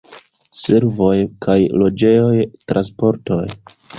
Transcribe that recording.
Servoj kaj loĝejoj, transportoj.